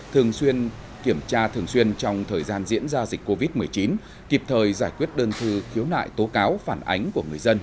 thường xuyên kiểm tra thường xuyên trong thời gian diễn ra dịch covid một mươi chín kịp thời giải quyết đơn thư khiếu nại tố cáo phản ánh của người dân